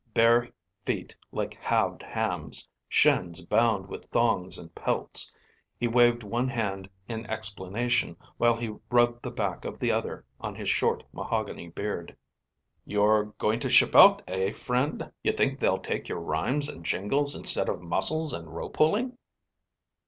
Bare feet like halved hams, shins bound with thongs and pelts, he waved one hand in explanation, while he rubbed the back of the other on his short, mahogany beard. "You're going to ship out, eh friend? You think they'll take your rhymes and jingles instead of muscles and rope pulling?"